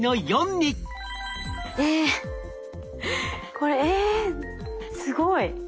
これえすごい。